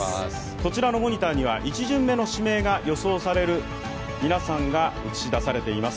こちらのモニターには１巡目の指名が予想される皆さんが映し出されています。